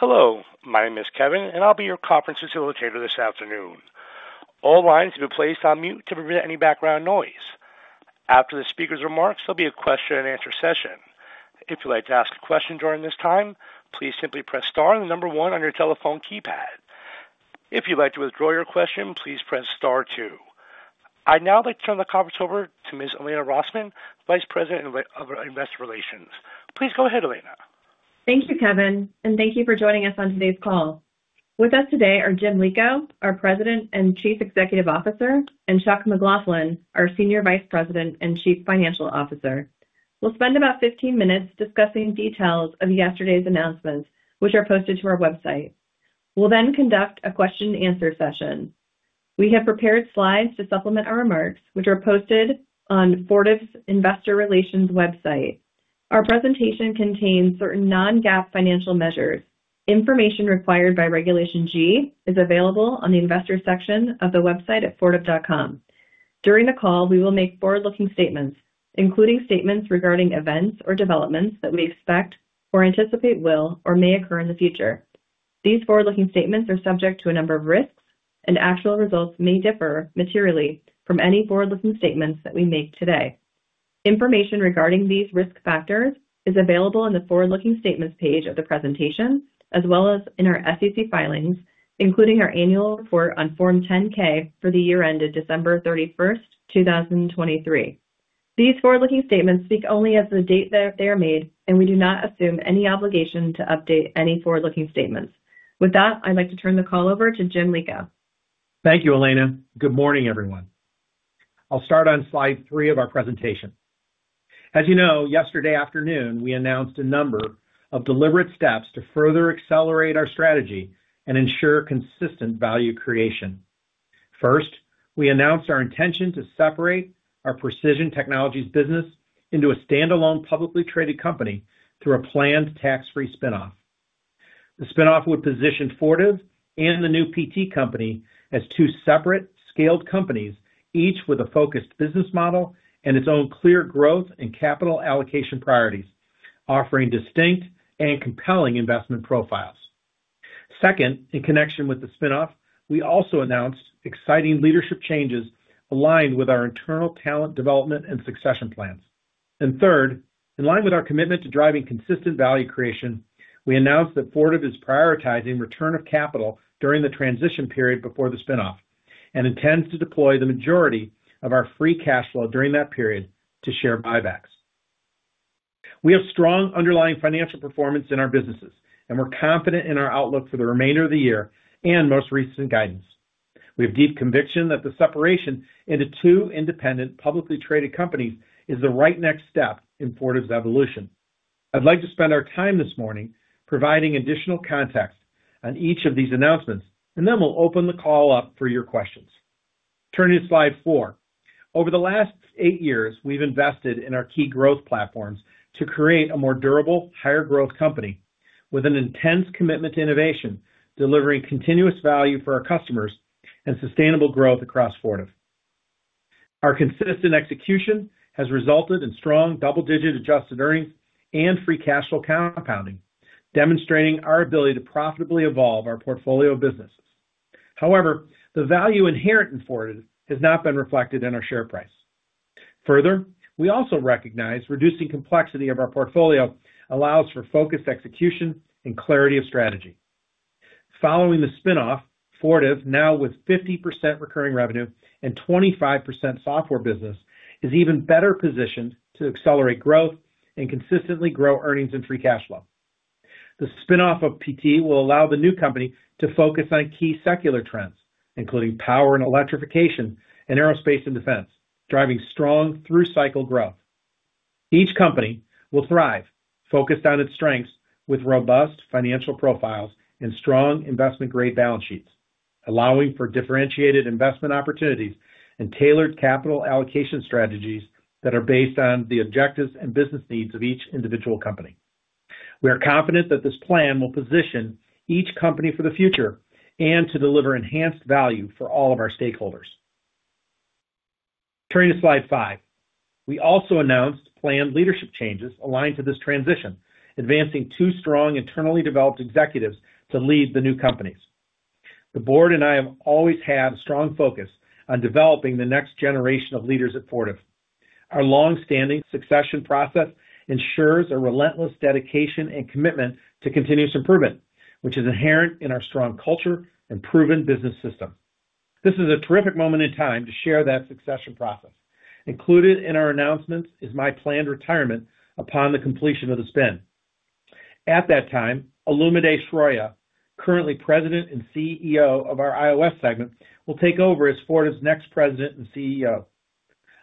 Hello, my name is Kevin, and I'll be your conference facilitator this afternoon. All lines have been placed on mute to prevent any background noise. After the speaker's remarks, there'll be a question and answer session. If you'd like to ask a question during this time, please simply press star and the number one on your telephone keypad. If you'd like to withdraw your question, please press star two. I'd now like to turn the conference over to Ms. Elena Rosman, Vice President of Investor Relations. Please go ahead, Elena. Thank you, Kevin, and thank you for joining us on today's call. With us today are Jim Lico, our President and Chief Executive Officer, and Chuck McLaughlin, our Senior Vice President and Chief Financial Officer. We'll spend about fifteen minutes discussing details of yesterday's announcements, which are posted to our website. We'll then conduct a question and answer session. We have prepared slides to supplement our remarks, which are posted on Fortive's Investor Relations website. Our presentation contains certain non-GAAP financial measures. Information required by Regulation G is available on the investor section of the website at fortive.com. During the call, we will make forward-looking statements, including statements regarding events or developments that we expect or anticipate will or may occur in the future. These forward-looking statements are subject to a number of risks, and actual results may differ materially from any forward-looking statements that we make today. Information regarding these risk factors is available on the forward-looking statements page of the presentation, as well as in our SEC filings, including our Annual Report on Form 10-K for the year ended December 31st, 2023. These forward-looking statements speak only as of the date that they are made, and we do not assume any obligation to update any forward-looking statements. With that, I'd like to turn the call over to Jim Lico. Thank you, Elena. Good morning, everyone. I'll start on slide three of our presentation. As you know, yesterday afternoon, we announced a number of deliberate steps to further accelerate our strategy and ensure consistent value creation. First, we announced our intention to separate our Precision Technologies business into a standalone, publicly traded company through a planned tax-free spinoff. The spinoff would position Fortive and the new PT company as two separate scaled companies, each with a focused business model and its own clear growth and capital allocation priorities, offering distinct and compelling investment profiles. Second, in connection with the spinoff, we also announced exciting leadership changes aligned with our internal talent development and succession plans. And third, in line with our commitment to driving consistent value creation, we announced that Fortive is prioritizing return of capital during the transition period before the spinoff, and intends to deploy the majority of our free cash flow during that period to share buybacks. We have strong underlying financial performance in our businesses, and we're confident in our outlook for the remainder of the year and most recent guidance. We have deep conviction that the separation into two independent, publicly traded companies is the right next step in Fortive's evolution. I'd like to spend our time this morning providing additional context on each of these announcements, and then we'll open the call up for your questions. Turning to slide four. Over the last eight years, we've invested in our key growth platforms to create a more durable, higher growth company with an intense commitment to innovation, delivering continuous value for our customers and sustainable growth across Fortive. Our consistent execution has resulted in strong double-digit adjusted earnings and free cash flow compounding, demonstrating our ability to profitably evolve our portfolio of businesses. However, the value inherent in Fortive has not been reflected in our share price. Further, we also recognize reducing complexity of our portfolio allows for focused execution and clarity of strategy. Following the spinoff, Fortive, now with 50% recurring revenue and 25% software business, is even better positioned to accelerate growth and consistently grow earnings and free cash flow. The spinoff of PT will allow the new company to focus on key secular trends, including power and electrification and aerospace and defense, driving strong through-cycle growth. Each company will thrive, focused on its strengths with robust financial profiles and strong investment-grade balance sheets, allowing for differentiated investment opportunities and tailored capital allocation strategies that are based on the objectives and business needs of each individual company. We are confident that this plan will position each company for the future and to deliver enhanced value for all of our stakeholders. Turning to slide five. We also announced planned leadership changes aligned to this transition, advancing two strong, internally developed executives to lead the new companies. The board and I have always had a strong focus on developing the next generation of leaders at Fortive. Our long-standing succession process ensures a relentless dedication and commitment to continuous improvement, which is inherent in our strong culture and proven business system. This is a terrific moment in time to share that succession process. Included in our announcements is my planned retirement upon the completion of the spin. At that time, Olumide Soroye, currently President and CEO of our IOS segment, will take over as Fortive's next president and CEO.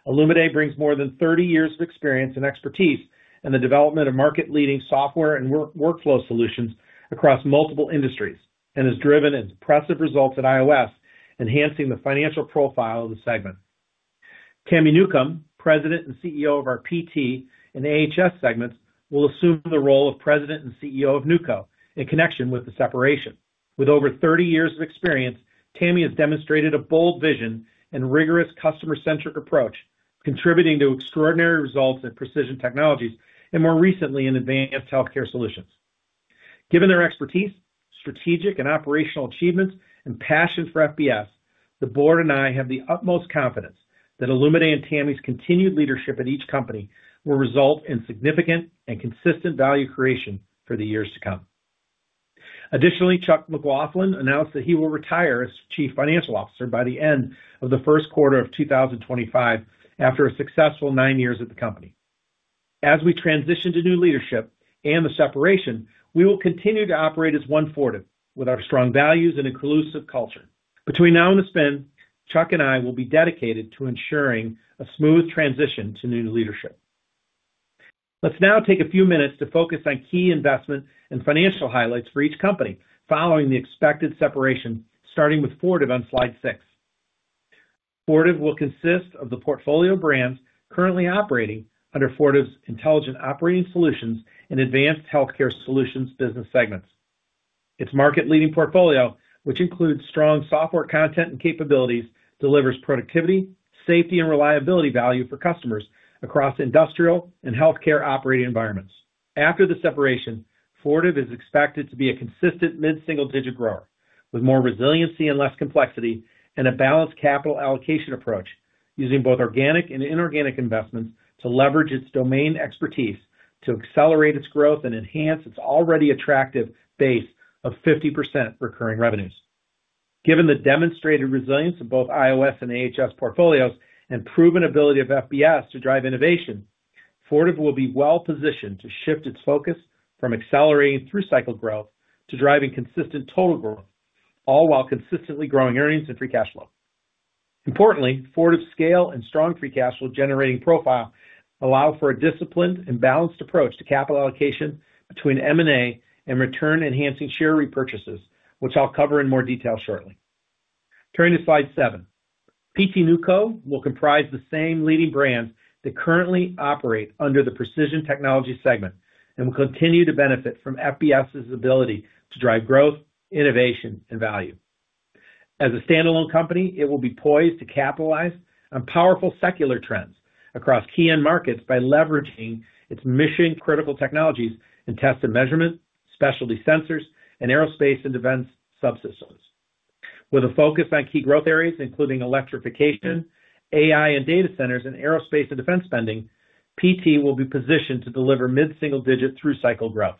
Olumide brings more than thirty years of experience and expertise in the development of market-leading software and workflow solutions across multiple industries and has driven impressive results at IOS, enhancing the financial profile of the segment. Tammy Newcomb, President and CEO of our PT and AHS segments, will assume the role of President and CEO of NewCo in connection with the separation. With over thirty years of experience, Tammy has demonstrated a bold vision and rigorous customer-centric approach, contributing to extraordinary results at Precision Technologies, and more recently, in Advanced Healthcare Solutions. Given their expertise, strategic and operational achievements, and passion for FBS, the board and I have the utmost confidence that Olumide and Tammy's continued leadership at each company will result in significant and consistent value creation for the years to come. Additionally, Chuck McLaughlin announced that he will retire as Chief Financial Officer by the end of the first quarter of 2025, after a successful nine years at the company. As we transition to new leadership and the separation, we will continue to operate as one Fortive, with our strong values and inclusive culture. Between now and the spin, Chuck and I will be dedicated to ensuring a smooth transition to new leadership. Let's now take a few minutes to focus on key investment and financial highlights for each company following the expected separation, starting with Fortive on slide six. Fortive will consist of the portfolio brands currently operating under Fortive's Intelligent Operating Solutions and Advanced Healthcare Solutions business segments. Its market-leading portfolio, which includes strong software content and capabilities, delivers productivity, safety, and reliability value for customers across industrial and healthcare operating environments. After the separation, Fortive is expected to be a consistent mid-single-digit grower, with more resiliency and less complexity, and a balanced capital allocation approach, using both organic and inorganic investments to leverage its domain expertise to accelerate its growth and enhance its already attractive base of 50% recurring revenues. Given the demonstrated resilience of both IOS and AHS portfolios and proven ability of FBS to drive innovation, Fortive will be well positioned to shift its focus from accelerating through cycle growth to driving consistent total growth, all while consistently growing earnings and free cash flow. Importantly, Fortive's scale and strong free cash flow-generating profile allow for a disciplined and balanced approach to capital allocation between M&A and return-enhancing share repurchases, which I'll cover in more detail shortly. Turning to slide seven. PT NewCo will comprise the same leading brands that currently operate under the Precision Technologies segment and will continue to benefit from FBS's ability to drive growth, innovation, and value. As a standalone company, it will be poised to capitalize on powerful secular trends across key end markets by leveraging its mission-critical technologies in test and measurement, specialty sensors, and aerospace and defense subsystems. With a focus on key growth areas, including electrification, AI and data centers, and aerospace and defense spending, PT will be positioned to deliver mid-single-digit through cycle growth.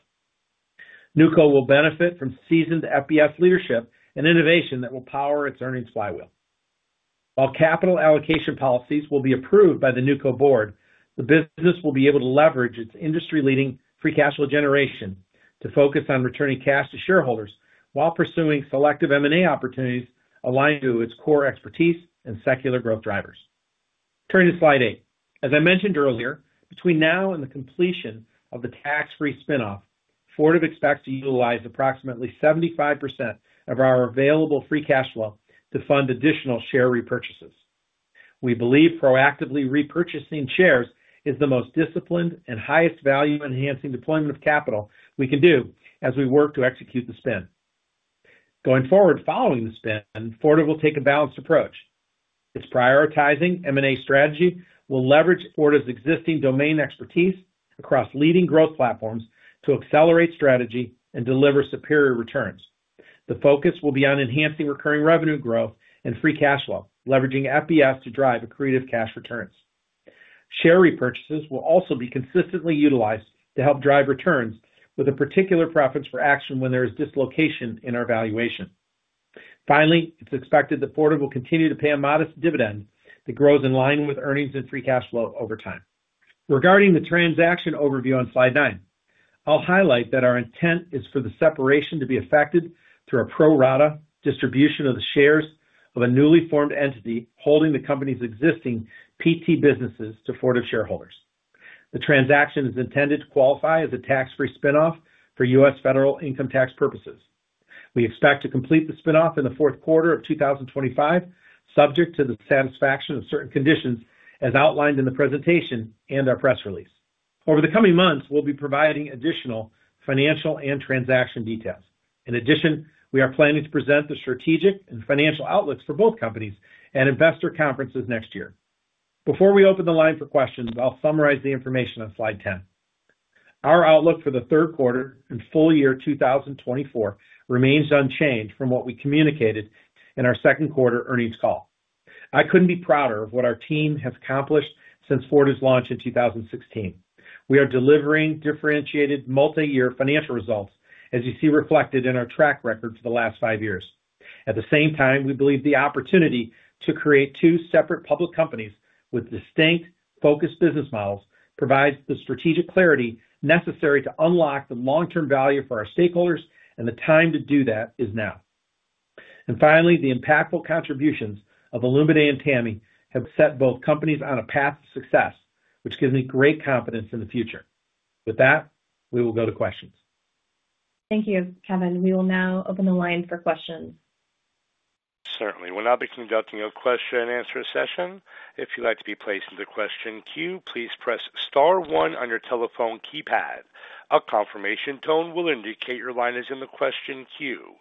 NewCo will benefit from seasoned FBS leadership and innovation that will power its earnings flywheel. While capital allocation policies will be approved by the NewCo board, the business will be able to leverage its industry-leading free cash flow generation to focus on returning cash to shareholders while pursuing selective M&A opportunities aligned to its core expertise and secular growth drivers. Turning to slide eight. As I mentioned earlier, between now and the completion of the tax-free spin-off, Fortive expects to utilize approximately 75% of our available free cash flow to fund additional share repurchases. We believe proactively repurchasing shares is the most disciplined and highest value-enhancing deployment of capital we can do as we work to execute the spin. Going forward, following the spin, Fortive will take a balanced approach. Its prioritizing M&A strategy will leverage Fortive's existing domain expertise across leading growth platforms to accelerate strategy and deliver superior returns. The focus will be on enhancing recurring revenue growth and free cash flow, leveraging FBS to drive accretive cash returns. Share repurchases will also be consistently utilized to help drive returns, with a particular preference for action when there is dislocation in our valuation. Finally, it's expected that Fortive will continue to pay a modest dividend that grows in line with earnings and free cash flow over time. Regarding the transaction overview on slide nine, I'll highlight that our intent is for the separation to be effected through a pro rata distribution of the shares of a newly formed entity holding the company's existing PT businesses to Fortive shareholders. The transaction is intended to qualify as a tax-free spin-off for U.S. federal income tax purposes. We expect to complete the spin-off in the fourth quarter of 2025, subject to the satisfaction of certain conditions, as outlined in the presentation and our press release. Over the coming months, we'll be providing additional financial and transaction details. In addition, we are planning to present the strategic and financial outlooks for both companies at investor conferences next year. Before we open the line for questions, I'll summarize the information on slide 10. Our outlook for the third quarter and full year 2024 remains unchanged from what we communicated in our second quarter earnings call. I couldn't be prouder of what our team has accomplished since Fortive's launch in 2016. We are delivering differentiated multiyear financial results, as you see reflected in our track record for the last five years. At the same time, we believe the opportunity to create two separate public companies with distinct, focused business models provides the strategic clarity necessary to unlock the long-term value for our stakeholders, and the time to do that is now. And finally, the impactful contributions of Olumide and Tammy have set both companies on a path to success, which gives me great confidence in the future. With that, we will go to questions. Thank you, Kevin. We will now open the line for questions. Certainly. We'll now be conducting a question-and-answer session. If you'd like to be placed in the question queue, please press star one on your telephone keypad. A confirmation tone will indicate your line is in the question queue.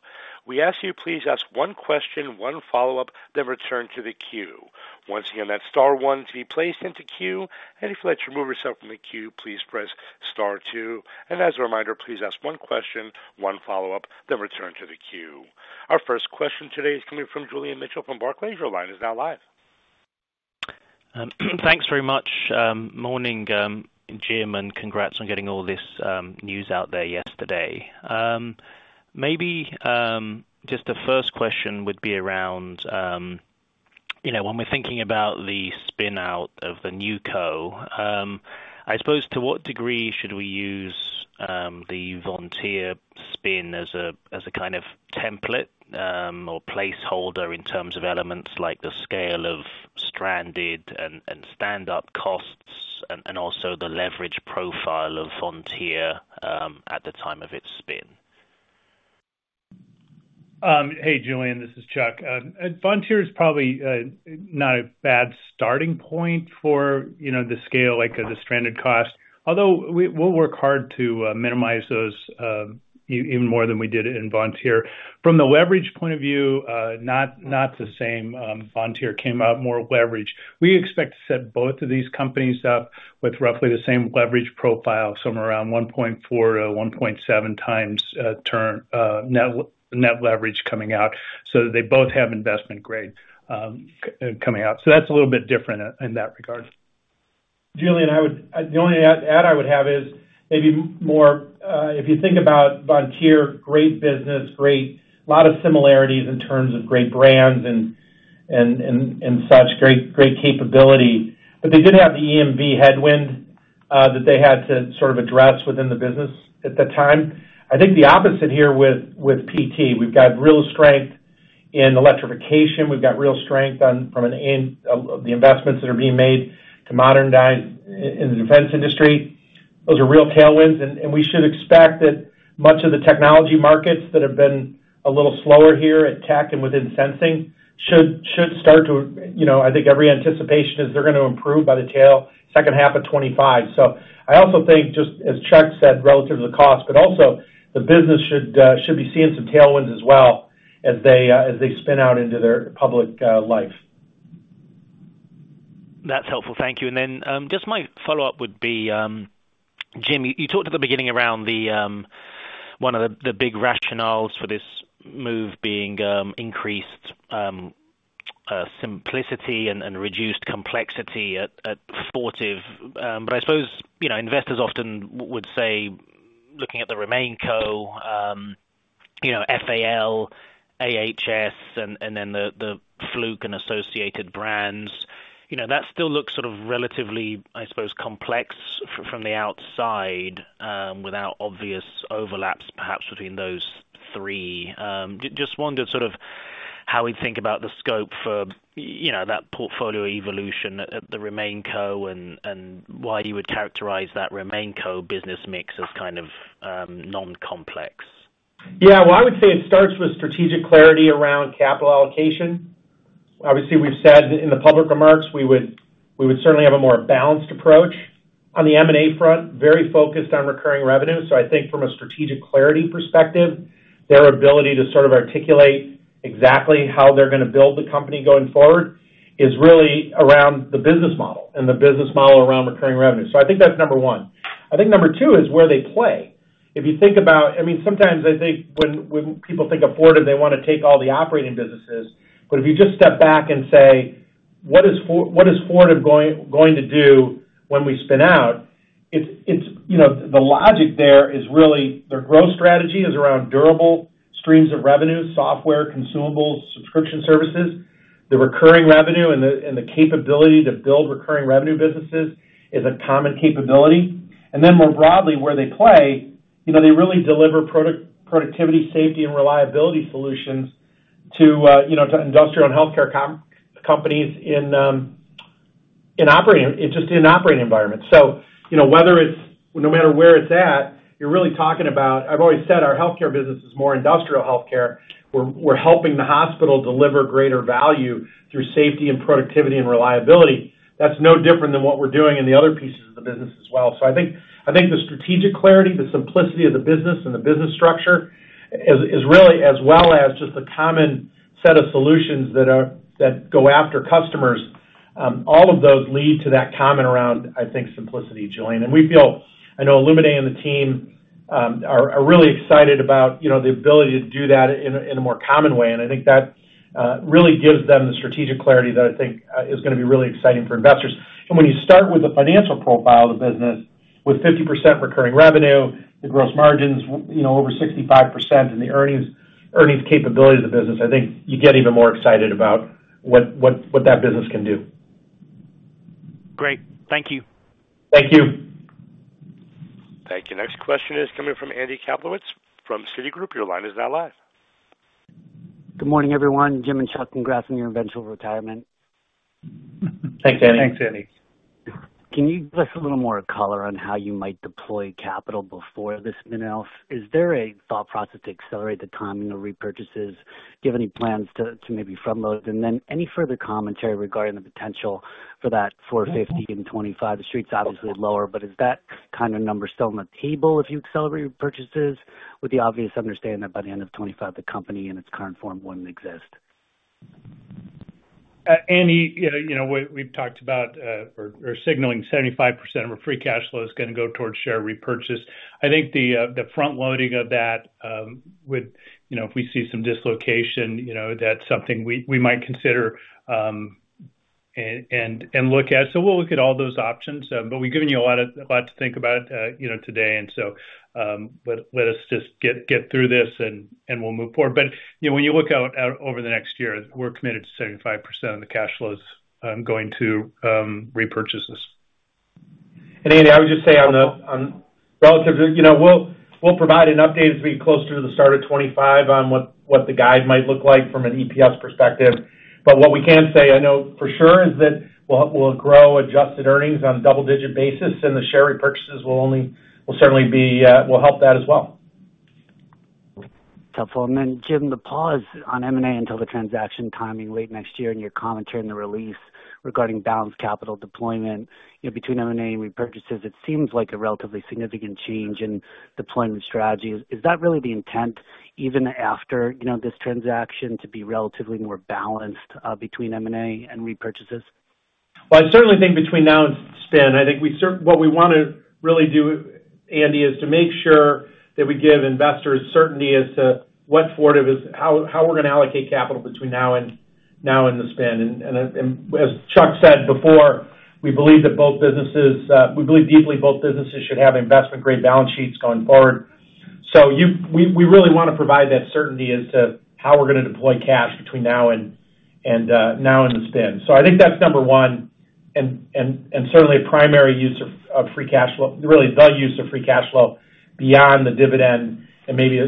We ask you please ask one question, one follow-up, then return to the queue. Once again, that's star one to be placed into queue, and if you'd like to remove yourself from the queue, please press star two. And as a reminder, please ask one question, one follow-up, then return to the queue. Our first question today is coming from Julian Mitchell from Barclays. Your line is now live. Thanks very much. Morning, Jim, and congrats on getting all this news out there yesterday. Maybe just the first question would be around you know, when we're thinking about the spin out of the NewCo, I suppose, to what degree should we use the Vontier spin as a kind of template or placeholder in terms of elements like the scale of stranded and stand-up costs and also the leverage profile of Vontier at the time of its spin? Hey, Julian, this is Chuck. And Vontier is probably not a bad starting point for, you know, the scale, like the stranded cost. Although, we'll work hard to minimize those even more than we did in Vontier. From the leverage point of view, not the same. Vontier came out more leveraged. We expect to set both of these companies up with roughly the same leverage profile, somewhere around 1.4-1.7 times net leverage coming out, so they both have investment grade coming out. So that's a little bit different in that regard. Julian, I would. The only add I would have is maybe more, if you think about Vontier, great business, great. A lot of similarities in terms of great brands and such great capability. But they did have the EMV headwind that they had to sort of address within the business at that time. I think the opposite here with PT. We've got real strength in electrification. We've got real strength on, from an end of the investments that are being made to modernize in the defense industry. Those are real tailwinds, and we should expect that much of the technology markets that have been a little slower here at Tek and within sensing should start to, you know, I think every indication is they're gonna improve by the tail end, second half of 2025. So I also think, just as Chuck said, relative to the cost, but also the business should be seeing some tailwinds as well as they spin out into their public life. That's helpful. Thank you. And then, just my follow-up would be, Jim, you talked at the beginning around the, one of the, the big rationales for this move being, increased, simplicity and, and reduced complexity at, at Fortive. But I suppose, you know, investors often would say, looking at the RemainCo, you know, IOS, AHS and, and then the, the Fluke and associated brands, you know, that still looks sort of relatively, I suppose, complex from the outside, without obvious overlaps, perhaps between those three. Just wondered sort of how we think about the scope for, you know, that portfolio evolution at, at the RemainCo and, and why you would characterize that RemainCo business mix as kind of, non-complex? Yeah. Well, I would say it starts with strategic clarity around capital allocation. Obviously, we've said in the public remarks, we would certainly have a more balanced approach on the M&A front, very focused on recurring revenue. So I think from a strategic clarity perspective, their ability to sort of articulate exactly how they're gonna build the company going forward is really around the business model and the business model around recurring revenue. So I think that's number one. I think number two is where they play. If you think about... I mean, sometimes I think when people think of Fortive, they wanna take all the operating businesses. But if you just step back and say: What is what is Fortive going to do when we spin out? It's you know, the logic there is really, their growth strategy is around durable streams of revenue, software, consumables, subscription services. The recurring revenue and the capability to build recurring revenue businesses is a common capability. And then more broadly, where they play, you know, they really deliver productivity, safety, and reliability solutions to you know, to industrial and healthcare companies in interesting operating environments. So you know, whether it's, no matter where it's at, you're really talking about. I've always said our healthcare business is more industrial healthcare. We're helping the hospital deliver greater value through safety and productivity and reliability. That's no different than what we're doing in the other pieces of the business as well. I think the strategic clarity, the simplicity of the business and the business structure is really, as well as just the common set of solutions that go after customers, all of those lead to that commonality around, I think, simplicity, Julian. We feel I know Olumide and the team are really excited about, you know, the ability to do that in a more common way. I think that really gives them the strategic clarity that I think is gonna be really exciting for investors. When you start with the financial profile of the business, with 50% recurring revenue, the gross margins, you know, over 65%, and the earnings capability of the business, I think you get even more excited about what that business can do. Great. Thank you. Thank you. Thank you. Next question is coming from Andy Kaplowitz, from Citigroup. Your line is now live. Good morning, everyone. Jim and Chuck, congrats on your eventual retirement. Thanks, Andy. Thanks, Andy. Can you give us a little more color on how you might deploy capital before this spin out? Is there a thought process to accelerate the timing of repurchases? Do you have any plans to maybe front load? And then any further commentary regarding the potential for that $450 in 2025? The street's obviously lower, but is that kind of number still on the table if you accelerate your purchases, with the obvious understanding that by the end of 2025, the company in its current form wouldn't exist? ... Andy, you know, we've talked about or signaling 75% of our free cash flow is gonna go towards share repurchase. I think the front loading of that would, you know, if we see some dislocation, you know, that's something we might consider, and look at. So we'll look at all those options. But we've given you a lot to think about, you know, today, and so, but let us just get through this, and we'll move forward. But, you know, when you look out over the next year, we're committed to 75% of the cash flows going to repurchases. Andy, I would just say on relative to, you know, we'll provide an update as we get closer to the start of 2025 on what the guide might look like from an EPS perspective. But what we can say, I know for sure, is that we'll grow adjusted earnings on a double-digit basis, and the share repurchases will certainly help that as well. Tough. And then, Jim, the pause on M&A until the transaction timing late next year, and your commentary in the release regarding balanced capital deployment, you know, between M&A and repurchases, it seems like a relatively significant change in deployment strategy. Is that really the intent, even after, you know, this transaction, to be relatively more balanced between M&A and repurchases? I certainly think between now and spin, I think what we wanna really do, Andy, is to make sure that we give investors certainty as to what Fortive is, how we're gonna allocate capital between now and the spin. As Chuck said before, we believe that both businesses, we believe deeply both businesses should have investment-grade balance sheets going forward. We really wanna provide that certainty as to how we're gonna deploy cash between now and the spin. I think that's number one, and certainly a primary use of free cash flow, really, the use of free cash flow beyond the dividend and maybe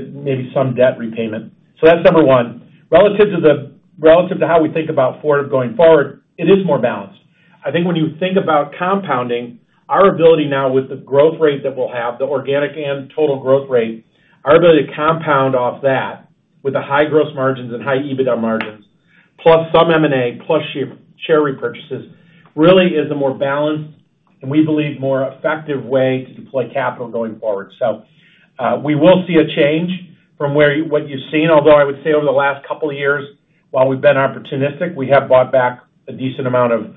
some debt repayment. That's number one. Relative to how we think about Fortive going forward, it is more balanced. I think when you think about compounding, our ability now with the growth rate that we'll have, the organic and total growth rate, our ability to compound off that with the high gross margins and high EBITDA margins, plus some M&A, plus share repurchases, really is a more balanced, and we believe, more effective way to deploy capital going forward. So, we will see a change from what you've seen, although I would say over the last couple of years, while we've been opportunistic, we have bought back a decent amount of shares.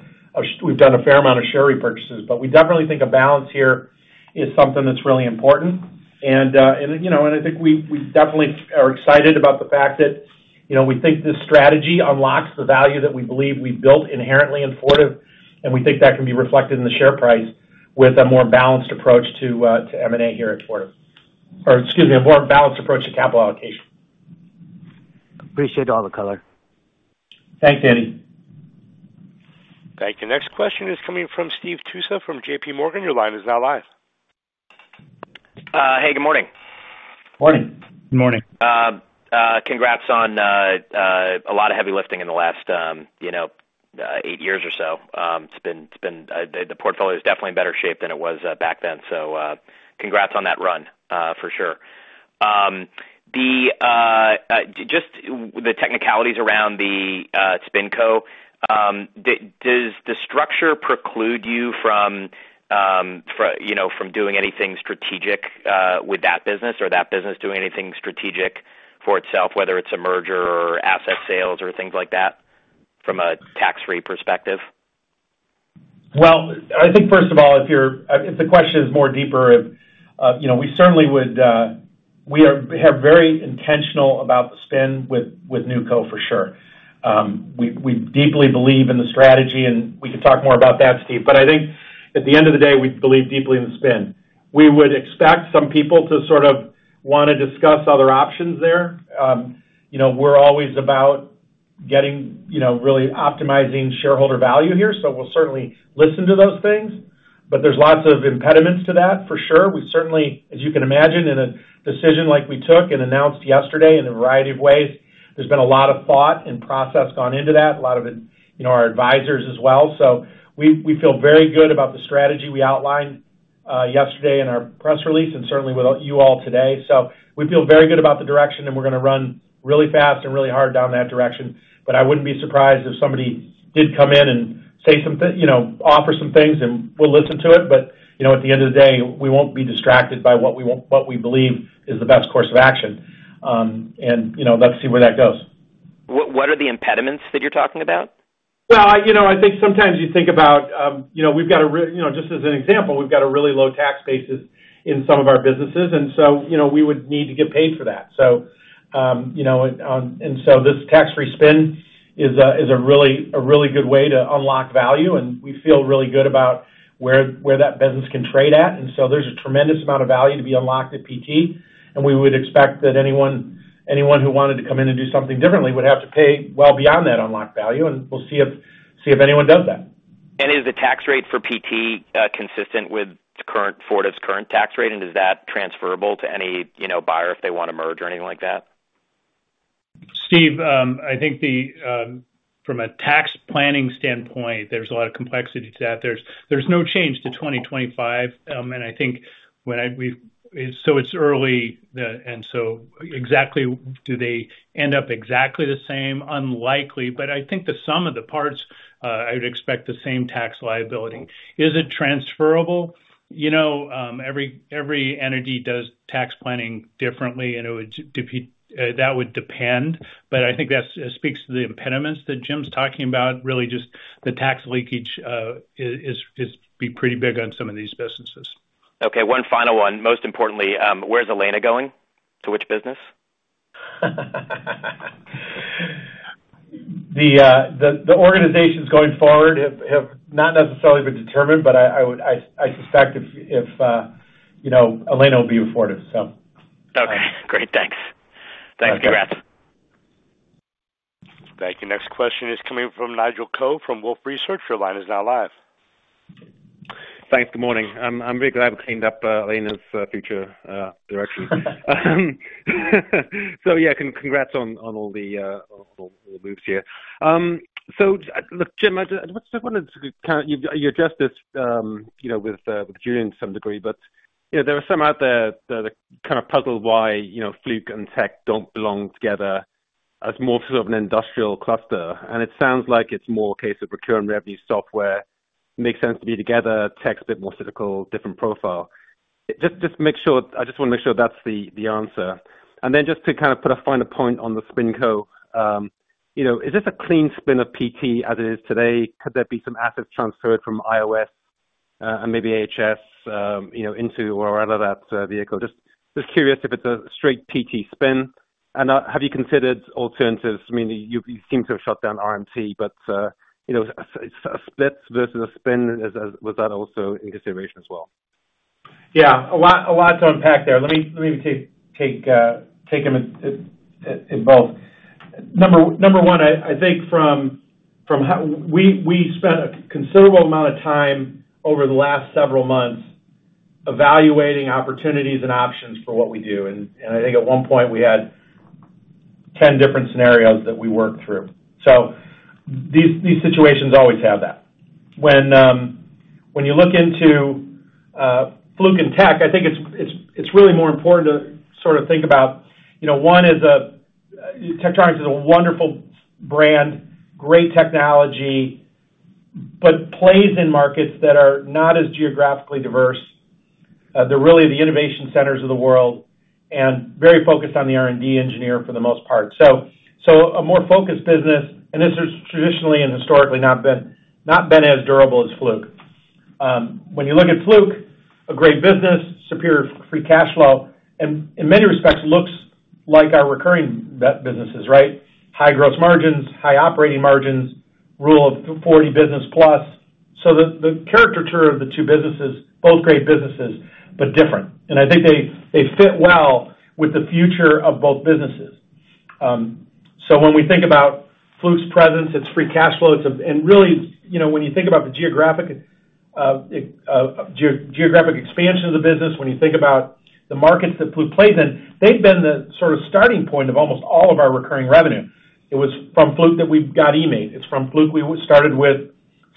We've done a fair amount of share repurchases. But we definitely think a balance here is something that's really important. you know, and I think we definitely are excited about the fact that, you know, we think this strategy unlocks the value that we believe we've built inherently in Fortive, and we think that can be reflected in the share price with a more balanced approach to M&A here at Fortive. Or excuse me, a more balanced approach to capital allocation. Appreciate all the color. Thanks, Andy. Thank you. Next question is coming from Steve Tusa from JPMorgan. Your line is now live. Hey, good morning. Morning. Good morning. Congrats on a lot of heavy lifting in the last, you know, eight years or so. It's been the portfolio is definitely in better shape than it was back then. So, congrats on that run for sure. The technicalities around the SpinCo, does the structure preclude you from, you know, from doing anything strategic with that business or that business doing anything strategic for itself, whether it's a merger or asset sales or things like that, from a tax-free perspective? Well, I think, first of all, if you're... If the question is more deeper, if you know, we certainly would, we are very intentional about the spin with NewCo, for sure. We deeply believe in the strategy, and we can talk more about that, Steve. But I think at the end of the day, we believe deeply in the spin. We would expect some people to sort of wanna discuss other options there. You know, we're always about getting, you know, really optimizing shareholder value here, so we'll certainly listen to those things, but there's lots of impediments to that, for sure. We certainly, as you can imagine, in a decision like we took and announced yesterday, in a variety of ways, there's been a lot of thought and process gone into that, a lot of it, you know, our advisors as well. We feel very good about the strategy we outlined yesterday in our press release and certainly with you all today. We feel very good about the direction, and we're gonna run really fast and really hard down that direction. But I wouldn't be surprised if somebody did come in and say some, you know, offer some things, and we'll listen to it. But, you know, at the end of the day, we won't be distracted by what we believe is the best course of action. And, you know, let's see where that goes. What are the impediments that you're talking about? Well, I think sometimes you think about, you know, just as an example, we've got a really low tax basis in some of our businesses, and so, you know, we would need to get paid for that. So, you know, and so this tax-free spin is a really good way to unlock value, and we feel really good about where that business can trade at. And so there's a tremendous amount of value to be unlocked at PT, and we would expect that anyone who wanted to come in and do something differently would have to pay well beyond that unlocked value, and we'll see if anyone does that. Is the tax rate for PT consistent with current Fortive's current tax rate, and is that transferable to any, you know, buyer, if they want to merge or anything like that? Steve, I think the from a tax planning standpoint, there's a lot of complexity to that. There's no change to 2025. And I think when I—we've—so it's early, and so exactly, do they end up exactly the same? Unlikely, but I think the sum of the parts... I would expect the same tax liability. Is it transferable? You know, every entity does tax planning differently, and that would depend. But I think that speaks to the impediments that Jim's talking about, really just the tax leakage is to be pretty big on some of these businesses. Okay, one final one. Most importantly, where's Elena going? To which business? The organizations going forward have not necessarily been determined, but I would suspect, you know, Elena will be afforded, so. Okay, great. Thanks. Thanks, congrats. Thank you. Next question is coming from Nigel Coe from Wolfe Research. Your line is now live. Thanks. Good morning. I'm really glad we cleaned up Elena's future direction. So, yeah, congrats on all the moves here. So look, Jim, I just wanted to kind of. You addressed this, you know, with Julian to some degree, but, you know, there are some out there that are kind of puzzled why, you know, Fluke and Tek don't belong together as more sort of an industrial cluster. And it sounds like it's more a case of recurring revenue software makes sense to be together, Tek's a bit more difficult, different profile. Just make sure. I just wanna make sure that's the answer. And then just to kind of put a finer point on the spinoff, you know, is this a clean spin of PT as it is today? Could there be some assets transferred from IOS and maybe AHS, you know, into or out of that vehicle? Just curious if it's a straight PT spin. And have you considered alternatives? I mean, you seem to have shut down RMT, but you know, so a split versus a spin, was that also in consideration as well? Yeah, a lot to unpack there. Let me take them in both. Number one, I think from how we spent a considerable amount of time over the last several months evaluating opportunities and options for what we do. And I think at one point, we had ten different scenarios that we worked through. So these situations always have that. When you look into Fluke and Tech, I think it's really more important to sort of think about, you know, one is a, Tektronix is a wonderful brand, great technology, but plays in markets that are not as geographically diverse. They're really the innovation centers of the world and very focused on the R&D engineer for the most part. A more focused business, and this has traditionally and historically not been as durable as Fluke. When you look at Fluke, a great business, superior free cash flow, and in many respects, looks like our recurring rev businesses, right? High gross margins, high operating margins, Rule of 40 business plus. The caricature of the two businesses, both great businesses, but different. And I think they fit well with the future of both businesses. So when we think about Fluke's presence, its free cash flows, and really, you know, when you think about the geographic expansion of the business, when you think about the markets that Fluke plays in, they've been the sort of starting point of almost all of our recurring revenue. It was from Fluke that we've got eMaint. It's from Fluke we started with,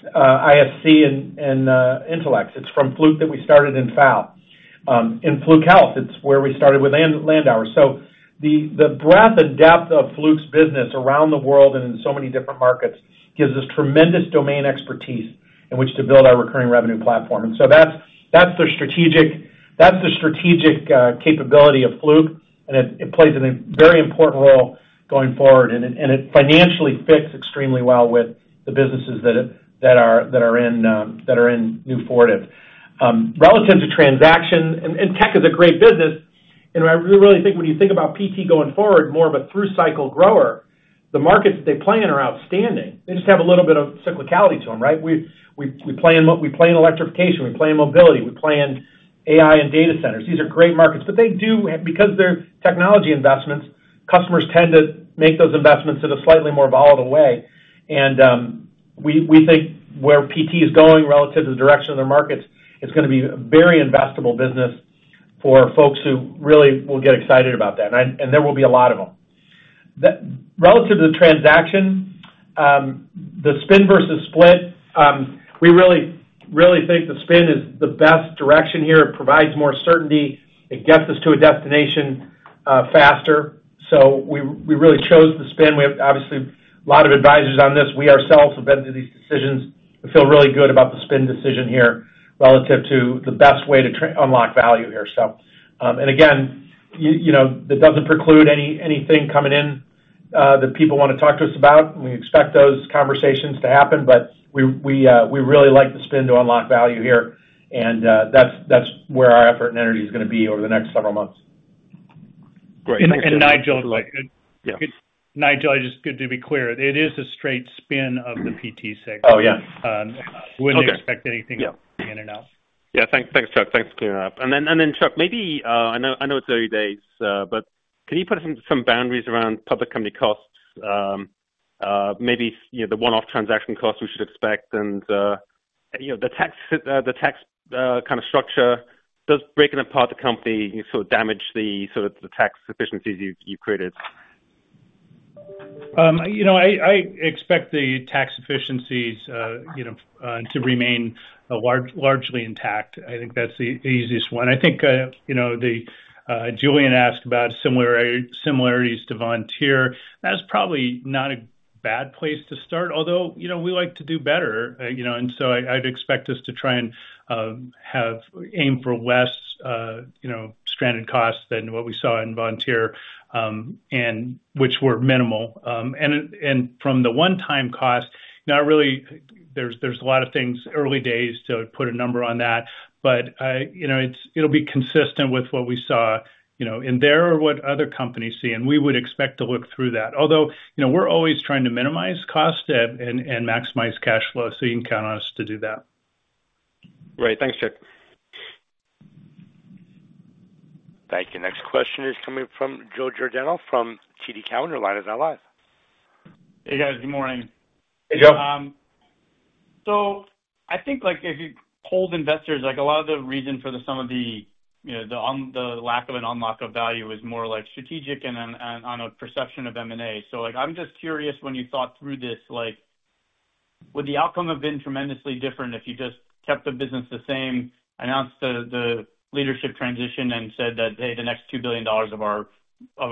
ISC and Intelex. It's from Fluke that we started in AHS. In Fluke Health, it's where we started with Landauer. So the breadth and depth of Fluke's business around the world and in so many different markets gives us tremendous domain expertise in which to build our recurring revenue platform. And so that's the strategic capability of Fluke, and it plays a very important role going forward, and it financially fits extremely well with the businesses that are in new Fortive. Relative to transaction, and Tech is a great business, and I really think when you think about PT going forward, more of a through-cycle grower, the markets they play in are outstanding. They just have a little bit of cyclicality to them, right? We play in electrification, we play in mobility, we play in AI and data centers. These are great markets, but they do, because they're technology investments, customers tend to make those investments in a slightly more volatile way. And we think where PT is going relative to the direction of their markets, it's gonna be a very investable business for folks who really will get excited about that, and there will be a lot of them. Relative to the transaction, the spin versus split, we really think the spin is the best direction here. It provides more certainty. It gets us to a destination faster. So we really chose the spin. We have obviously a lot of advisors on this. We ourselves have been through these decisions. We feel really good about the spin decision here, relative to the best way to unlock value here. And again, you know, that doesn't preclude anything coming in that people wanna talk to us about. We expect those conversations to happen, but we really like the spin to unlock value here, and that's where our effort and energy is gonna be over the next several months. Great. And Nigel- Yeah. Nigel, just to be clear, it is a straight spin of the PT segment. Oh, yeah. Wouldn't expect anything- Yeah. In and out. Yeah. Thanks, thanks, Chuck. Thanks for clearing it up. And then, Chuck, maybe I know, I know it's early days, but can you put some boundaries around public company costs? Maybe, you know, the one-off transaction costs we should expect and, you know, the tax kind of structure. Does breaking apart the company sort of damage the sort of the tax efficiencies you created? ... You know, I expect the tax efficiencies, you know, to remain largely intact. I think that's the easiest one. I think, you know, Julian asked about similarities to Vontier. That's probably not a bad place to start, although, you know, we like to do better, you know, and so I'd expect us to try and aim for less, you know, stranded costs than what we saw in Vontier, and which were minimal. And from the one-time cost, not really, there's a lot of things early days to put a number on that, but, you know, it'll be consistent with what we saw in there or what other companies see, and we would expect to look through that. Although, you know, we're always trying to minimize cost and maximize cash flow, so you can count on us to do that. Great. Thanks, Chuck. Thank you. Next question is coming from Joe Giordano from TD Cowen. Your line is now live. Hey, guys. Good morning. Hey, Joe. So I think, like, if you polled investors, like, a lot of the reason for some of the, you know, the lack of an unlock of value is more like strategic and then on a perception of M&A. So, like, I'm just curious, when you thought through this, like, would the outcome have been tremendously different if you just kept the business the same, announced the leadership transition, and said that, "Hey, the next $2 billion of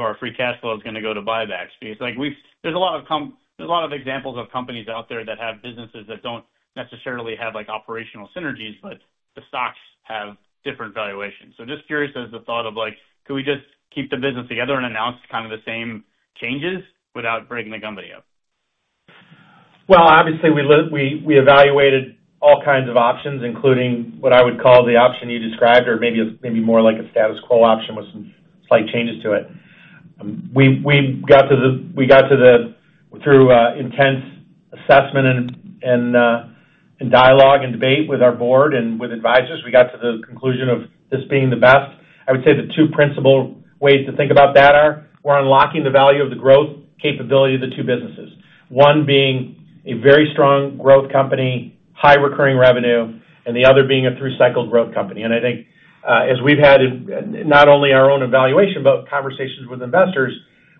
our free cash flow is gonna go to buybacks?" Because, like, there's a lot of examples of companies out there that have businesses that don't necessarily have, like, operational synergies, but the stocks have different valuations. Just curious as the thought of, like, could we just keep the business together and announce kind of the same changes without breaking the company up? Obviously, we evaluated all kinds of options, including what I would call the option you described, or maybe it's more like a status quo option with some slight changes to it. We got through intense assessment and dialogue and debate with our board and with advisors. We got to the conclusion of this being the best. I would say the two principal ways to think about that are: we're unlocking the value of the growth capability of the two businesses, one being a very strong growth company, high recurring revenue, and the other being a through-cycle growth company. I think, as we've had in, not only our own evaluation, but conversations with investors,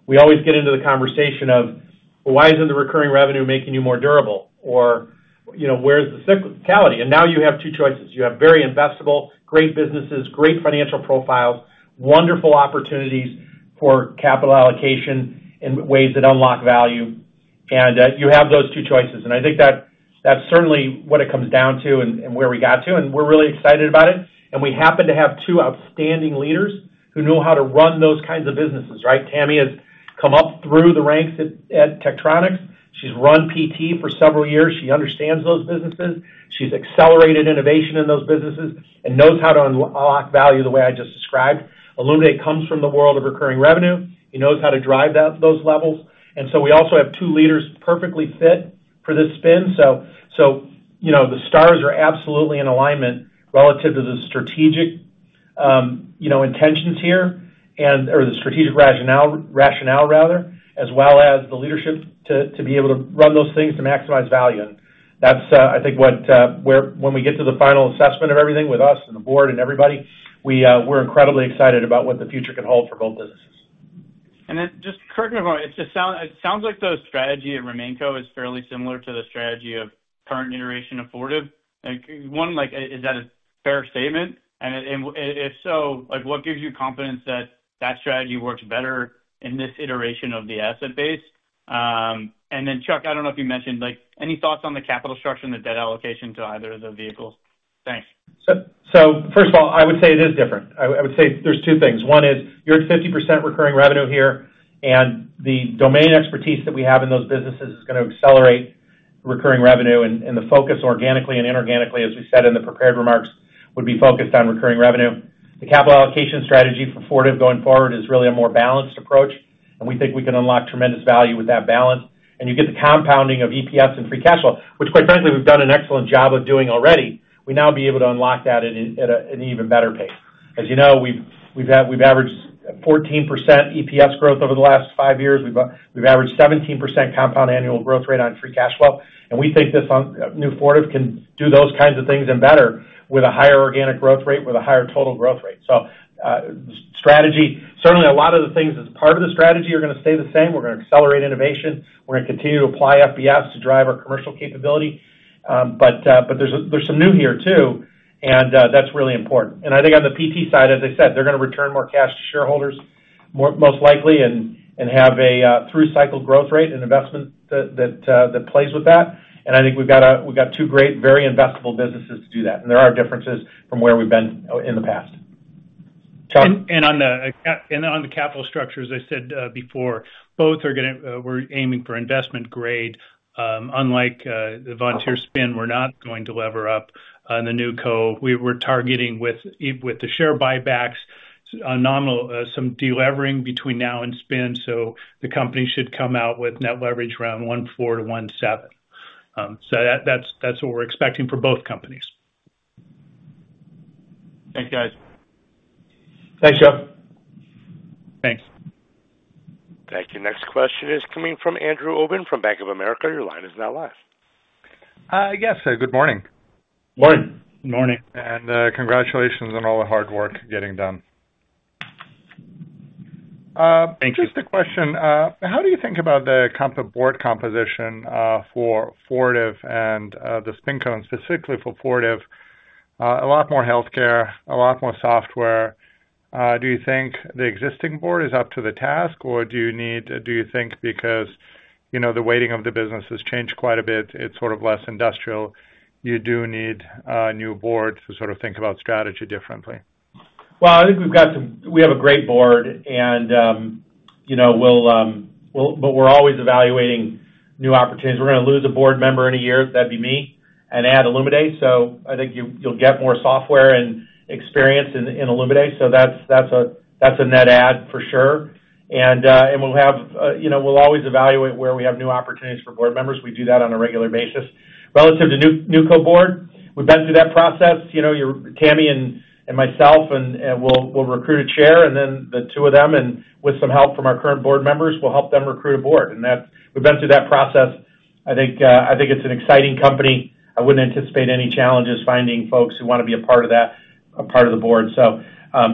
we always get into the conversation of, "Well, why isn't the recurring revenue making you more durable?" Or, you know, "Where's the cyclicality?" And now you have two choices. You have very investable, great businesses, great financial profiles, wonderful opportunities for capital allocation in ways that unlock value, and, you have those two choices. And I think that, that's certainly what it comes down to and, and where we got to, and we're really excited about it. And we happen to have two outstanding leaders who know how to run those kinds of businesses, right? Tammy has come up through the ranks at, at Tektronix. She's run PT for several years. She understands those businesses. She's accelerated innovation in those businesses and knows how to unlock value the way I just described. Olumide comes from the world of recurring revenue. He knows how to drive that, those levels. And so we also have two leaders perfectly fit for this spin. So, you know, the stars are absolutely in alignment relative to the strategic intentions here, and or the strategic rationale, rationale rather, as well as the leadership to be able to run those things to maximize value. And that's, I think what, when we get to the final assessment of everything with us and the board and everybody, we're incredibly excited about what the future can hold for both businesses. And then just correct me if I'm wrong, it sounds like the strategy at RemainCo is fairly similar to the strategy of current iteration of Fortive. Like, is that a fair statement? And if so, like, what gives you confidence that that strategy works better in this iteration of the asset base? And then, Chuck, I don't know if you mentioned, like, any thoughts on the capital structure and the debt allocation to either of the vehicles? Thanks. So first of all, I would say it is different. I would say there's two things. One is you're at 50% recurring revenue here, and the domain expertise that we have in those businesses is gonna accelerate recurring revenue, and the focus organically and inorganically, as we said in the prepared remarks, would be focused on recurring revenue. The capital allocation strategy for Fortive going forward is really a more balanced approach, and we think we can unlock tremendous value with that balance. And you get the compounding of EPS and free cash flow, which, quite frankly, we've done an excellent job of doing already. We'll now be able to unlock that at an even better pace. As you know, we've averaged 14% EPS growth over the last five years. We've averaged 17% compound annual growth rate on free cash flow, and we think this new Fortive can do those kinds of things and better with a higher organic growth rate, with a higher total growth rate. So, strategy, certainly a lot of the things as part of the strategy are gonna stay the same. We're gonna accelerate innovation. We're gonna continue to apply FBS to drive our commercial capability. But there's some new here, too, and that's really important. And I think on the PT side, as I said, they're gonna return more cash to shareholders, more, most likely, and have a through-cycle growth rate and investment that plays with that. And I think we've got two great, very investable businesses to do that, and there are differences from where we've been in the past. Chuck? On the capital structure, as I said before, both are gonna, we're aiming for investment grade. Unlike the Vontier spin, we're not going to lever up the NewCo. We were targeting with the share buybacks a nominal some delevering between now and spin, so the company should come out with net leverage around 1.4-1.7. So that's what we're expecting for both companies. Thanks, guys. Thanks, Joe. Thanks. Thank you. Next question is coming from Andrew Obin, from Bank of America. Your line is now live.... Yes, good morning. Morning. Good morning. Congratulations on all the hard work getting done. Thank you. Just a question: how do you think about the composition of the board, for Fortive and the spinco, specifically for Fortive? A lot more healthcare, a lot more software. Do you think the existing board is up to the task, or do you need - do you think because, you know, the weighting of the business has changed quite a bit, it's sort of less industrial, you do need a new board to sort of think about strategy differently? I think we have a great board, and you know, we'll. We're always evaluating new opportunities. We're gonna lose a board member in a year, that'd be me, and add Olumide. So I think you, you'll get more software and experience in Olumide. So that's a net add for sure. And we'll have, you know, we'll always evaluate where we have new opportunities for board members. We do that on a regular basis. Relative to the NewCo board, we've been through that process. You know, your Tammy and myself, and we'll recruit a chair, and then the two of them, and with some help from our current board members, we'll help them recruit a board. And that's we've been through that process. I think it's an exciting company. I wouldn't anticipate any challenges finding folks who wanna be a part of that, a part of the board. So,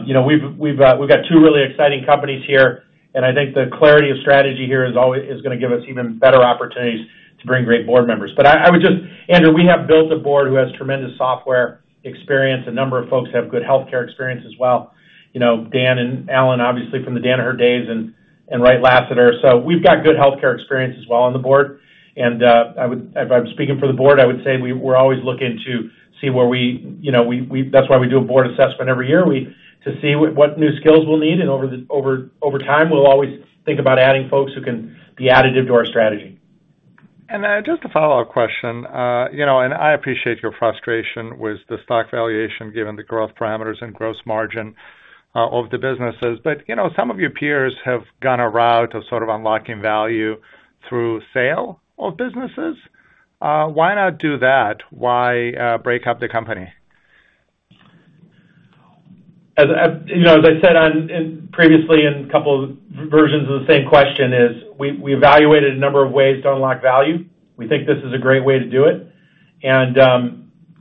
you know, we've got two really exciting companies here, and I think the clarity of strategy here is always, is gonna give us even better opportunities to bring great board members. But I would just. Andrew, we have built a board who has tremendous software experience. A number of folks have good healthcare experience as well. You know, Dan and Alan, obviously from the Danaher days and Wright Lassiter. So we've got good healthcare experience as well on the board. And, I would, if I'm speaking for the board, I would say we're always looking to see where we, you know, we... That's why we do a board assessment every year to see what new skills we'll need, and over time, we'll always think about adding folks who can be additive to our strategy. Just a follow-up question. You know, and I appreciate your frustration with the stock valuation, given the growth parameters and gross margin of the businesses. You know, some of your peers have gone a route of sort of unlocking value through sale of businesses. Why not do that? Why break up the company? As you know, as I said previously in a couple of versions of the same question, we evaluated a number of ways to unlock value. We think this is a great way to do it.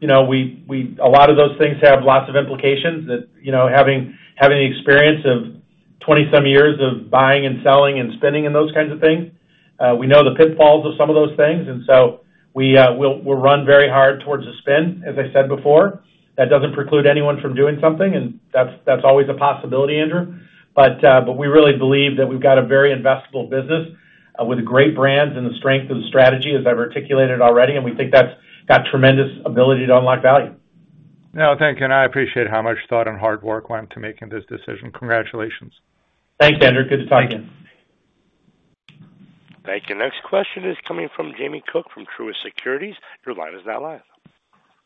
You know, a lot of those things have lots of implications that, you know, having the experience of twenty-some years of buying and selling and spending and those kinds of things, we know the pitfalls of some of those things, and so we'll run very hard towards the spin, as I said before. That doesn't preclude anyone from doing something, and that's always a possibility, Andrew. We really believe that we've got a very investable business, with great brands and the strength of the strategy, as I've articulated already, and we think that's got tremendous ability to unlock value. Now, thank you, and I appreciate how much thought and hard work went to making this decision. Congratulations. Thanks, Andrew. Good to talk to you. Thank you. Next question is coming from Jamie Cook from Truist Securities. Your line is now live.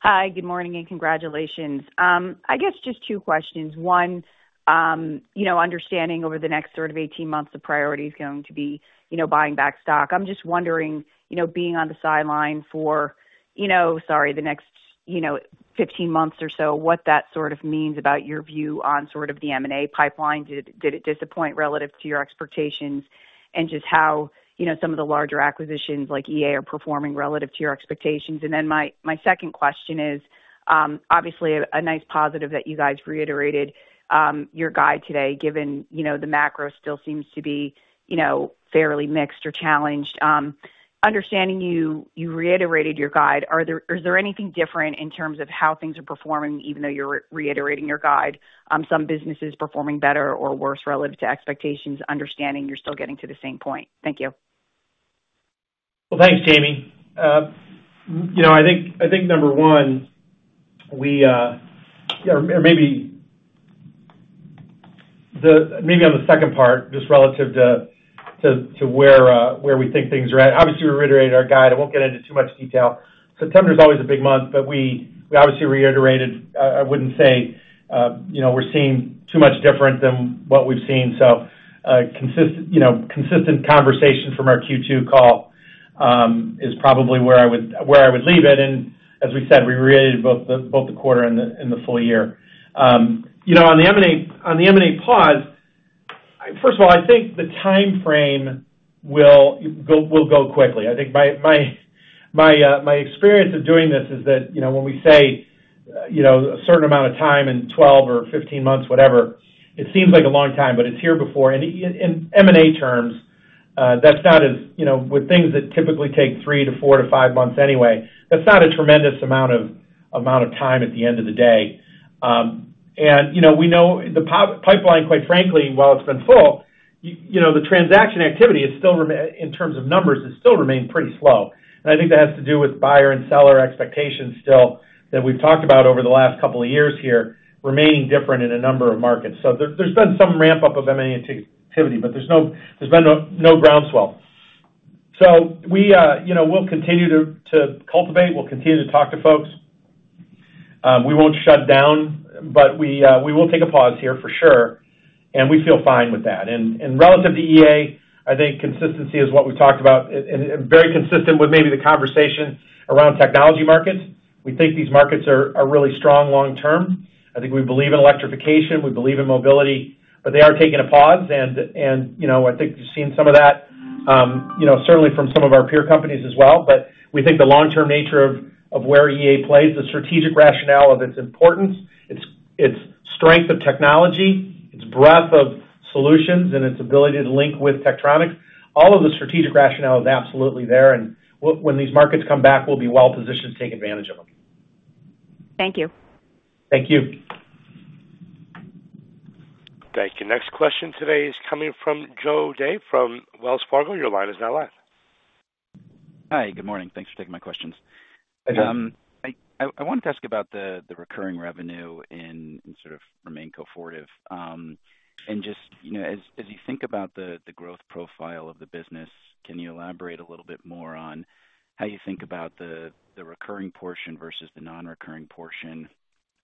Hi, good morning, and congratulations. I guess just two questions. One, you know, understanding over the next sort of eighteen months, the priority is going to be, you know, buying back stock. I'm just wondering, you know, being on the sideline for, you know, sorry, the next, you know, 15 Months or so, what that sort of means about your view on sort of the M&A pipeline. Did it disappoint relative to your expectations? And just how, you know, some of the larger acquisitions like EA are performing relative to your expectations. And then my second question is, obviously a nice positive that you guys reiterated your guide today, given, you know, the macro still seems to be, you know, fairly mixed or challenged. Understanding you, you reiterated your guide, are there is there anything different in terms of how things are performing, even though you're reiterating your guide, some businesses performing better or worse relative to expectations, understanding you're still getting to the same point? Thank you. Thanks, Jamie. You know, I think number one, or maybe on the second part, just relative to where we think things are at. Obviously, we reiterated our guide. I won't get into too much detail. September is always a big month, but we obviously reiterated. I wouldn't say, you know, we're seeing too much different than what we've seen. So, consistent conversation from our Q2 call is probably where I would leave it. And as we said, we reiterated both the quarter and the full year. You know, on the M&A pause, first of all, I think the timeframe will go quickly. I think my experience of doing this is that, you know, when we say, you know, a certain amount of time in 12 or 15 months, whatever, it seems like a long time, but it's here before. And in M&A terms, that's not as, you know, with things that typically take 3 to 4 to 5 months anyway, that's not a tremendous amount of time at the end of the day. And, you know, we know the pipeline, quite frankly, while it's been full, you know, the transaction activity is still, in terms of numbers, has still remained pretty slow. And I think that has to do with buyer and seller expectations still, that we've talked about over the last couple of years here, remaining different in a number of markets. So, there's been some ramp-up of M&A activity, but there's been no groundswell. So we, you know, we'll continue to cultivate, we'll continue to talk to folks. We won't shut down, but we will take a pause here for sure, and we feel fine with that. And relative to EA, I think consistency is what we talked about, and very consistent with maybe the conversation around technology markets. We think these markets are really strong long term. I think we believe in electrification, we believe in mobility, but they are taking a pause. And you know, I think you've seen some of that, you know, certainly from some of our peer companies as well. But we think the long-term nature of where EA plays, the strategic rationale of its importance, its strength of technology, its breadth of solutions, and its ability to link with Tektronix, all of the strategic rationale is absolutely there, and when these markets come back, we'll be well positioned to take advantage of them. Thank you. Thank you. Thank you. Next question today is coming from Joe O'Dea from Wells Fargo. Your line is now live. Hi, good morning. Thanks for taking my questions. Hey. I wanted to ask about the recurring revenue in sort of Remainco, Fortive. And just, you know, as you think about the growth profile of the business, can you elaborate a little bit more on how you think about the recurring portion versus the non-recurring portion?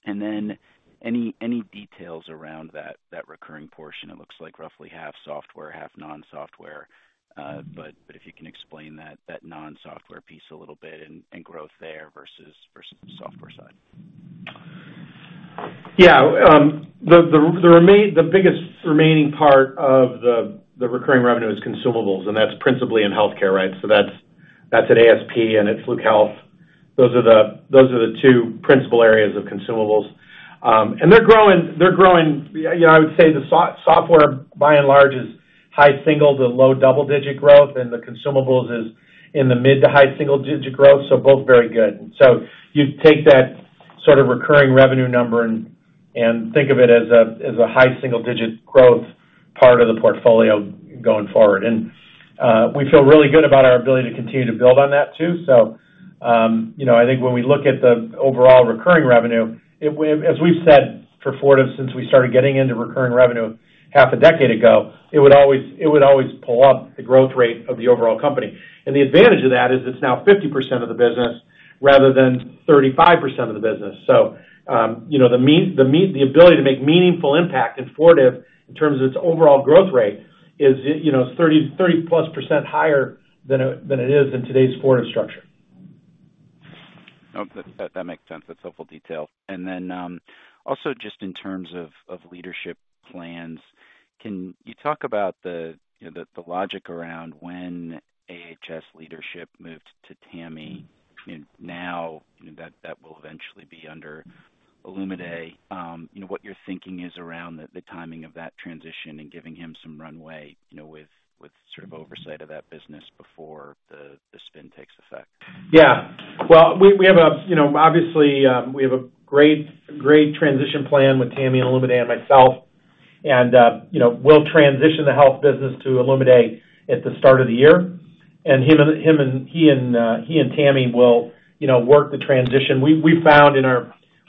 And then, any details around that recurring portion, it looks like roughly half software, half non-software. But if you can explain that non-software piece a little bit and growth there versus the software side. Yeah. The biggest remaining part of the recurring revenue is consumables, and that's principally in healthcare, right? So that's at ASP and it's Fluke Health. Those are the two principal areas of consumables. And they're growing. You know, I would say the software, by and large, is high singles and low double-digit growth, and the consumables is in the mid to high single-digit growth, so both very good. So you take that sort of recurring revenue number and think of it as a high single-digit growth part of the portfolio going forward. And we feel really good about our ability to continue to build on that, too. I think when we look at the overall recurring revenue, it was, as we've said for Fortive, since we started getting into recurring revenue half a decade ago, it would always pull up the growth rate of the overall company. The advantage of that is it's now 50% of the business rather than 35% of the business. You know, the ability to make meaningful impact in Fortive in terms of its overall growth rate is, you know, 30, 30-plus% higher than it is in today's Fortive structure. Oh, that makes sense. That's helpful detail. And then, also, just in terms of leadership plans, can you talk about the logic around when AHS leadership moved to Tammy, and now, you know, that will eventually be under Olumide. You know, what your thinking is around the timing of that transition and giving him some runway, you know, with sort of oversight of that business before the spin takes effect? Yeah. Well, we have a great transition plan with Tammy and Olumide and myself. And you know, we'll transition the health business to Olumide at the start of the year, and he and Tammy will work the transition. We found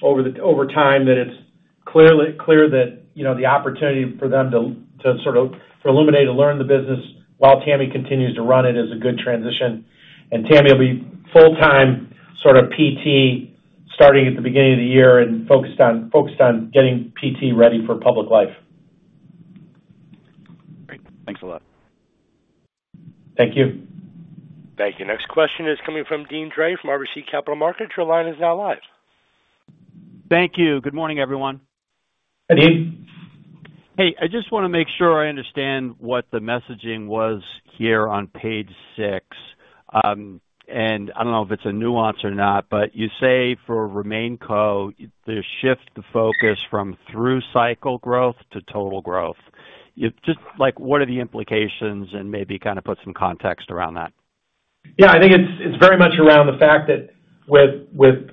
over time that it's clear that you know, the opportunity for them to sort of for Olumide to learn the business while Tammy continues to run it is a good transition. And Tammy will be full-time sort of PT starting at the beginning of the year and focused on getting PT ready for public life. Great. Thanks a lot. Thank you. Thank you. Next question is coming from Deane Dray from RBC Capital Markets. Your line is now live. Thank you. Good morning, everyone. Hey, Deane. Hey, I just wanna make sure I understand what the messaging was here on page six. And I don't know if it's a nuance or not, but you say for Remainco, the shift, the focus from through cycle growth to total growth. Just like, what are the implications? And maybe kind of put some context around that. Yeah, I think it's very much around the fact that with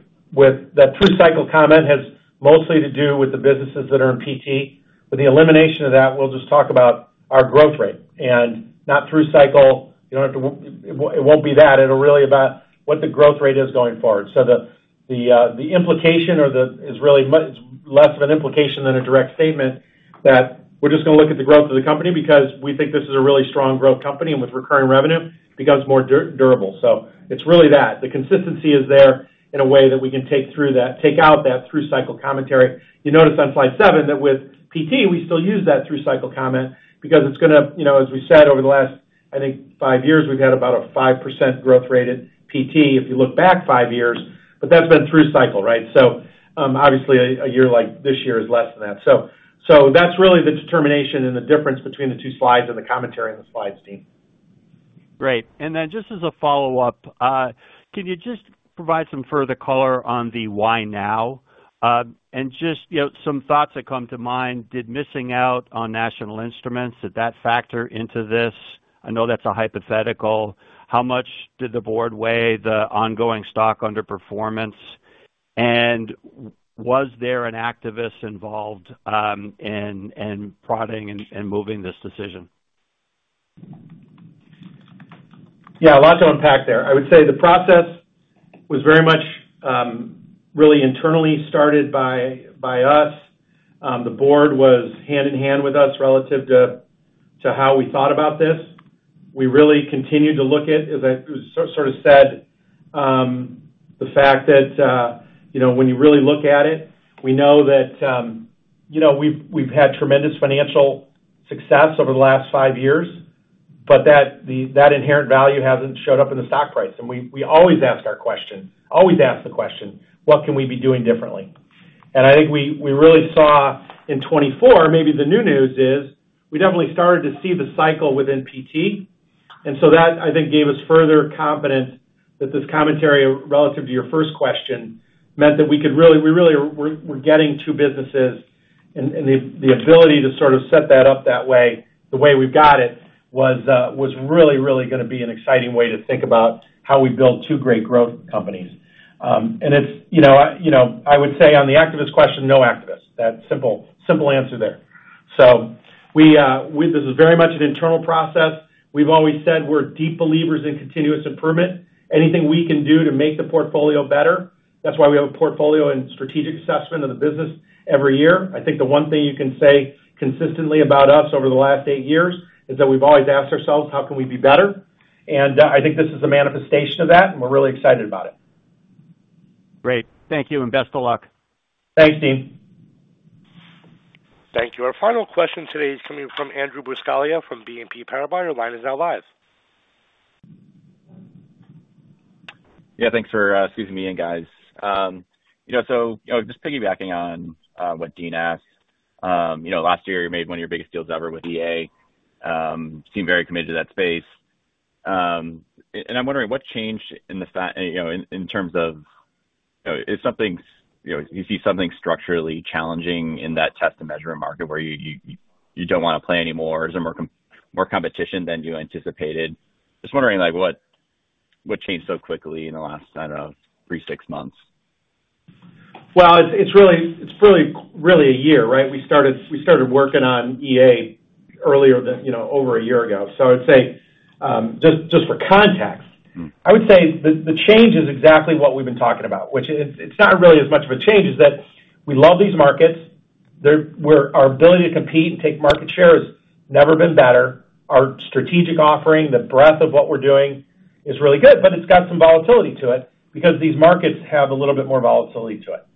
that through cycle comment has mostly to do with the businesses that are in PT. With the elimination of that, we'll just talk about our growth rate and not through cycle. You know, it won't be that. It'll really about what the growth rate is going forward. So the implication or the is really less of an implication than a direct statement, that we're just gonna look at the growth of the company, because we think this is a really strong growth company, and with recurring revenue, becomes more durable. So it's really that. The consistency is there in a way that we can take out that through cycle commentary. You notice on slide seven, that with PT, we still use that through cycle comment because it's gonna, you know, as we said, over the last, I think five years, we've had about a 5% growth rate at PT, if you look back five years, but that's been through cycle, right? So, obviously, a year like this year is less than that. So, that's really the determination and the difference between the two slides and the commentary on the slides, Deane. Great. And then just as a follow-up, can you just provide some further color on the why now? And just, you know, some thoughts that come to mind, did missing out on National Instruments, did that factor into this? I know that's a hypothetical. How much did the board weigh the ongoing stock underperformance? And was there an activist involved, in prodding and moving this decision? Yeah, a lot to unpack there. I would say the process was very much, really internally started by us. The board was hand in hand with us relative to how we thought about this. We really continued to look at, as I sort of said, the fact that, you know, when you really look at it, we know that, you know, we've had tremendous financial success over the last five years, but that inherent value hasn't showed up in the stock price. And we always ask our question, always ask the question, what can we be doing differently? And I think we really saw in 2024, maybe the new news is, we definitely started to see the cycle within PT, and so that, I think, gave us further confidence that this commentary, relative to your first question, meant that we could really, we really were getting two businesses, and the ability to sort of set that up that way, the way we've got it, was really gonna be an exciting way to think about how we build two great growth companies. And it's, you know, I would say on the activist question, no activists. That's a simple answer there, so this is very much an internal process. We've always said we're deep believers in continuous improvement. Anything we can do to make the portfolio better, that's why we have a portfolio and strategic assessment of the business every year. I think the one thing you can say consistently about us over the last eight years is that we've always asked ourselves, how can we be better? And, I think this is a manifestation of that, and we're really excited about it. Great. Thank you, and best of luck. Thanks, Deane. Thank you. Our final question today is coming from Andrew Buscaglia from BNP Paribas. Your line is now live. Yeah, thanks for squeezing me in, guys. You know, so, you know, just piggybacking on what Deane asked. You know, last year, you made one of your biggest deals ever with EA, seemed very committed to that space. And, and I'm wondering what changed in the fact, you know, in, in terms of, you know, if something, you know, you see something structurally challenging in that test and measurement market where you don't wanna play anymore, or is there more competition than you anticipated? Just wondering, like, what, what changed so quickly in the last, I don't know, three, six months? It's really a year, right? We started working on EA earlier than, you know, over a year ago. So I'd say just for context- Mm. I would say the change is exactly what we've been talking about, which is, it's not really as much of a change, is that we love these markets. They're we're our ability to compete and take market share has never been better. Our strategic offering, the breadth of what we're doing is really good, but it's got some volatility to it because these markets have a little bit more volatility to it.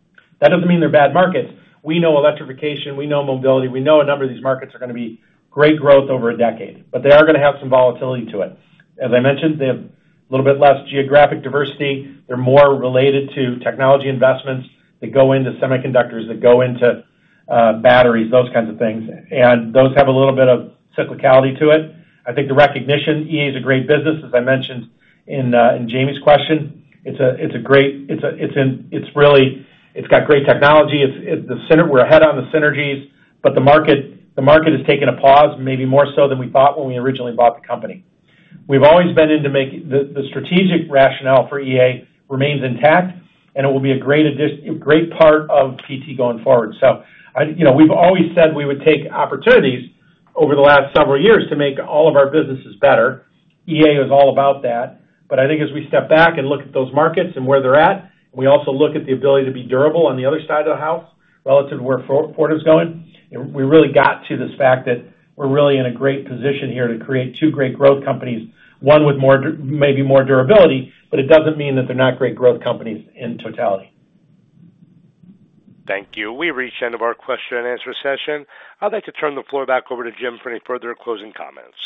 That doesn't mean they're bad markets. We know electrification, we know mobility, we know a number of these markets are gonna be great growth over a decade, but they are gonna have some volatility to it. As I mentioned, they have a little bit less geographic diversity. They're more related to technology investments that go into semiconductors, that go into batteries, those kinds of things. And those have a little bit of cyclicality to it. I think the recognition, EA is a great business. As I mentioned in Jamie's question, it's a great business. It's really got great technology. It's the center, we're ahead on the synergies, but the market has taken a pause, maybe more so than we thought when we originally bought the company. The strategic rationale for EA remains intact, and it will be a great addition, a great part of PT going forward. So, you know, we've always said we would take opportunities over the last several years to make all of our businesses better. EA is all about that. But I think as we step back and look at those markets and where they're at, we also look at the ability to be durable on the other side of the house relative to where Fortive's going. And we really got to this fact that we're really in a great position here to create two great growth companies, one with more durability, but it doesn't mean that they're not great growth companies in totality. Thank you. We've reached the end of our question and answer session. I'd like to turn the floor back over to Jim for any further closing comments.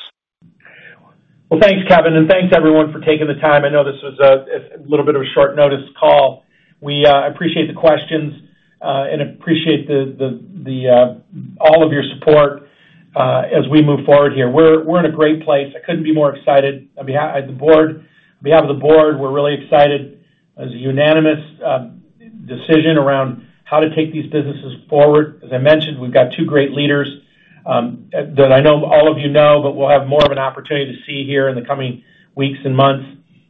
Well, thanks, Kevin, and thanks everyone for taking the time. I know this was a little bit of a short notice call. We appreciate the questions and appreciate all of your support as we move forward here. We're in a great place. I couldn't be more excited. On behalf of the board, we're really excited. It was a unanimous decision around how to take these businesses forward. As I mentioned, we've got two great leaders that I know all of you know, but we'll have more of an opportunity to see here in the coming weeks and months,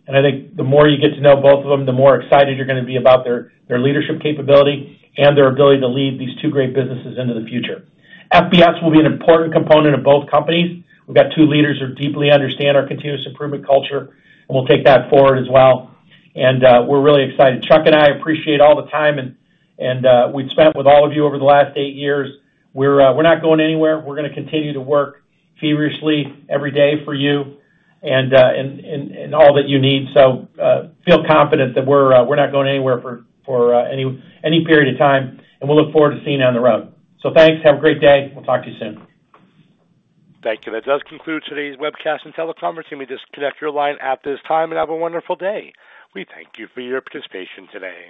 and I think the more you get to know both of them, the more excited you're gonna be about their leadership capability and their ability to lead these two great businesses into the future. FBS will be an important component of both companies. We've got two leaders who deeply understand our continuous improvement culture, and we'll take that forward as well. And we're really excited. Chuck and I appreciate all the time and we've spent with all of you over the last eight years. We're not going anywhere. We're gonna continue to work feverishly every day for you and all that you need. So feel confident that we're not going anywhere for any period of time, and we'll look forward to seeing you down the road. So thanks. Have a great day. We'll talk to you soon. Thank you. That does conclude today's webcast and teleconference. You may disconnect your line at this time and have a wonderful day. We thank you for your participation today.